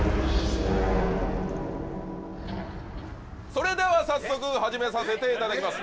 それでは早速始めさせていただきます